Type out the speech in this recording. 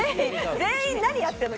全員何やってるの？